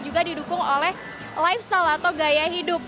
juga didukung oleh lifestyle atau gaya hidup